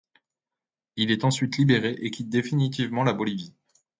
Il est ensuite libéré et quitte définitivement la Bolivie.